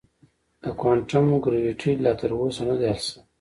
د کوانټم ګرویټي لا تر اوسه نه دی حل شوی.